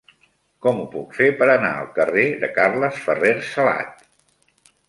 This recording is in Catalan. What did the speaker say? Com ho puc fer per anar al carrer de Carles Ferrer Salat?